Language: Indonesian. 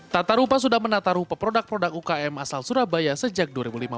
tata rupa sudah menata rupa produk produk ukm asal surabaya sejak dua ribu lima belas